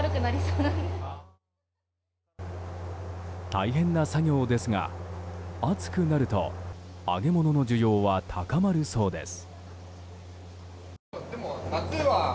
大変な作業ですが、暑くなると揚げ物の需要は高まるそうです。